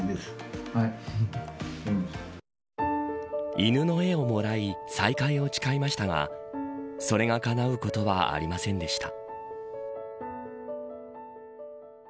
犬の絵をもらい再会を誓いましたがそれがかなうことはありませんでした。